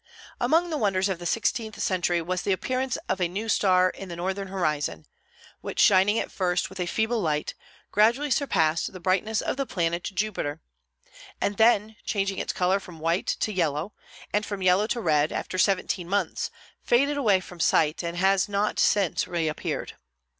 Among the wonders of the sixteenth century was the appearance of a new star in the northern horizon, which, shining at first with a feeble light, gradually surpassed the brightness of the planet Jupiter; and then changing its color from white to yellow and from yellow to red, after seventeen months, faded away from the sight, and has not since appeared.